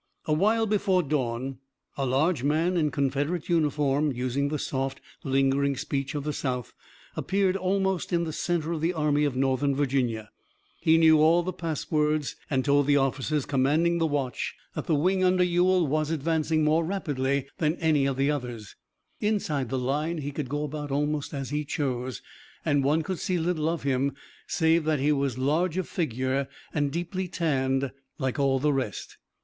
A while before dawn a large man in Confederate uniform, using the soft, lingering speech of the South, appeared almost in the center of the army of Northern Virginia. He knew all the pass words and told the officers commanding the watch that the wing under Ewell was advancing more rapidly than any of the others. Inside the line he could go about almost as he chose, and one could see little of him, save that he was large of figure and deeply tanned, like all the rest.